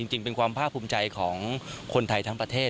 จริงเป็นความภาคภูมิใจของคนไทยทั้งประเทศ